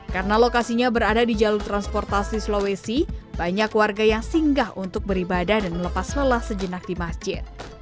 karena lokasinya berada di jalur transportasi sulawesi banyak warga yang singgah untuk beribadah dan melepas lelah sejenak di masjid